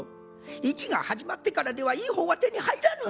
市が始まってからではいい本は手に入らぬ。